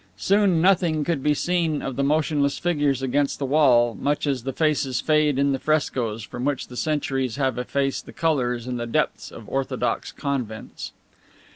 Soon nothing could be seen of the motionless figures against the wall, much as the faces fade in the frescoes from which the centuries have effaced the colors in the depths of orthodox convents.